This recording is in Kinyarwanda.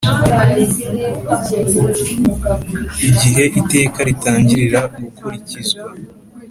Igihe iteka ritangirira gukurikizwa